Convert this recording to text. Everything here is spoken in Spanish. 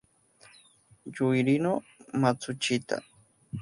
Yukihiro Matsushita